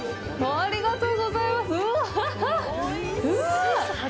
ありがとうございます。